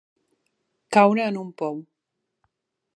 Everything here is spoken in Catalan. Caure en un pou.